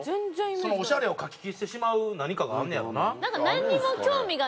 そのオシャレをかき消してしまう何かがあんねやろな。